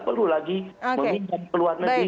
perlu lagi meningkat keluar negeri